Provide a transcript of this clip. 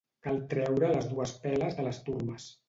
Cal treure les dues peles de les turmes